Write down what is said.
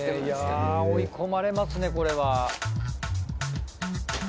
いやぁ追い込まれますねこれは。